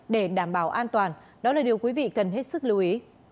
để đảm bảo an toàn đó là điều quý vị cần hết sức lưu ý